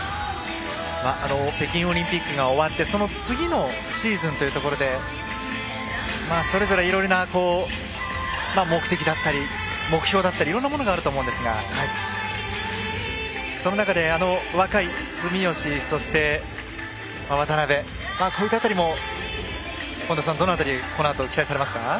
北京オリンピックが終わってその次のシーズンというところでそれぞれ、いろいろな目的だったり目標だったりいろんなものがあると思いますがその中で若い住吉、そして渡辺こういった辺りもどの辺り期待されますか？